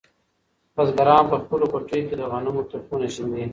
بزګران په خپلو پټیو کې د غنمو تخمونه شیندي.